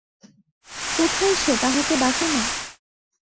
কোথায় সে, তাহাকে ডাকো-না।